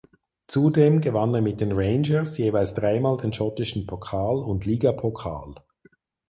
Zudem gewann er mit den Rangers jeweils dreimal den schottischen Pokal und Ligapokal.